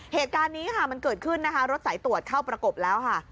เหตุการณ์นี้ค่ะมันเกิดขึ้นนะคะรถสายตรวจเข้าประกบแล้วค่ะ